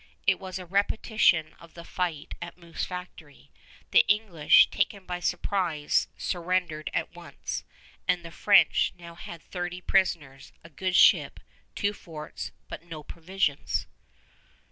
It was a repetition of the fight at Moose Factory. The English, taken by surprise, surrendered at once; and the French now had thirty prisoners, a good ship, two forts, but no provisions.